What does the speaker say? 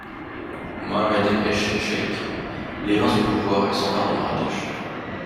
Mohammed ech-Cheikh l'évince du pouvoir et s'empare de Marrakech.